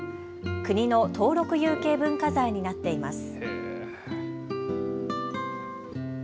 国の登録有形文化財になっています。